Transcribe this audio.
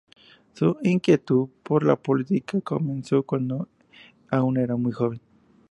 Su inquietud por la política comenzó cuando aún era muy joven.